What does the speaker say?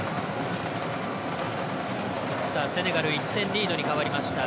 セネガル、１点リードに変わりました。